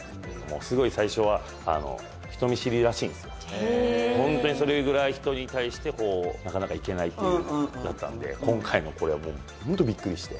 すごい最初は、人見知りらしいんですよ、本当にそれぐらい人に対してなかなかいけないということだったので、今回のこれ、ホントびっくりして。